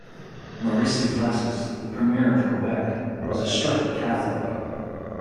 Maurice Duplessis, the premier of Quebec, was a strict Catholic.